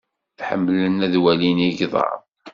Ḥemmlen ad walin igḍaḍ.